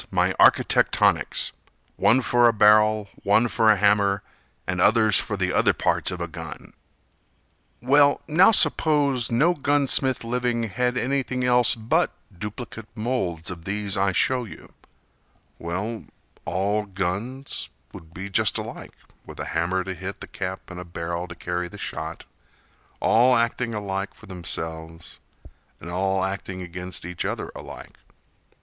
My architectonics One for a barrel, one for a hammer And others for other parts of a gun! Well, now suppose no gun smith living Had anything else but duplicate moulds Of these I show you—well, all guns Would be just alike, with a hammer to hit The cap and a barrel to carry the shot All acting alike for themselves, and all Acting against each other alike.